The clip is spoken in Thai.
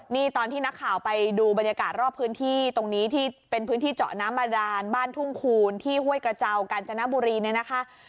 นี่ตอนที่นักข่าวไปดูบรรยากาศรอบพื้นที่ตรงนี้ที่เป็นพื้นที่เจาะน้ำบาดานบ้านทุ่งคูณที่ห้วยกระเจ้ากาญจนบุรีเนี่ยนะคะ